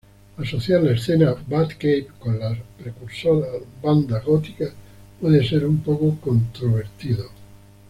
Asociar la escena "batcave" con las precursoras bandas góticas puede ser un poco controvertido.